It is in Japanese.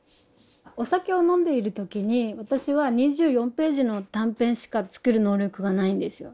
お酒を飲んでいる時に私は２４ページの短編しか作る能力がないんですよ。